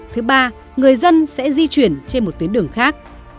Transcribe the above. thứ ba người dân sẽ di chuyển trên một tuyến đường khác